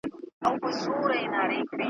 د کښتۍ مسافر ,